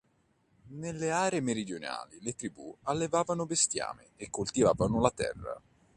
Nelle aree meridionali le tribù allevavano bestiame e coltivavano la terra.